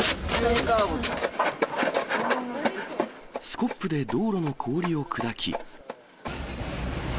スコップで道路の氷を砕き。